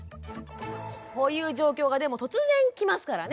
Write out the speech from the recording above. こういう状況がでも突然来ますからね。